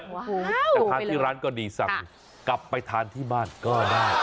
แต่ทานที่ร้านก็ดีสั่งกลับไปทานที่บ้านก็ได้